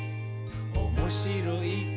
「おもしろい？